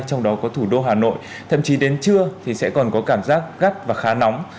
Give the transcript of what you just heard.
trong đó có thủ đô hà nội thậm chí đến trưa thì sẽ còn có cảm giác gắt và khá nóng